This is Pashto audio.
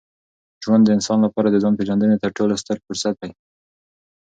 ژوند د انسان لپاره د ځان پېژندني تر ټولو ستر فرصت دی.